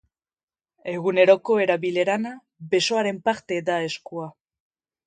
Eguneroko erabileran, besoaren parte da eskua.